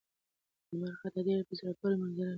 د لمر خاته ډېر په زړه پورې منظر لري.